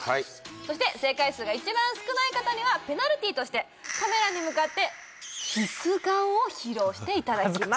そして正解数が一番少ない方にはペナルティーとしてカメラに向かってキス顔を披露していただきます